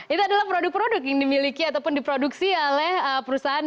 itu adalah produk produk yang dimiliki ataupun diproduksi oleh perusahaan